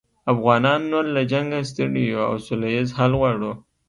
افغانان نور له جنګه ستړي یوو او سوله ییز حل غواړو